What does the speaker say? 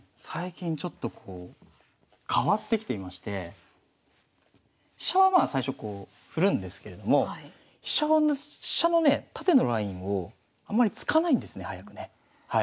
最近ちょっとこう変わってきていまして飛車はまあ最初こう振るんですけれども飛車のね縦のラインをあんまり突かないんですね早くね。